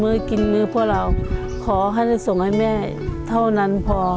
มือกินมือเพราะเราขอให้ส่งให้แม่เท่านั้นพอ